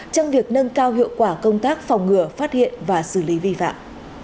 trong việc nâng cao hiệu quả công tác phòng ngừa phát hiện và xử lý vi phạm